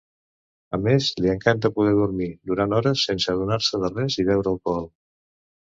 A més li encanta poder dormir durant hores sense adonar-se de res i beure alcohol.